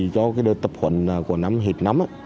cho cái đợt tập khuẩn của năm hiệp năm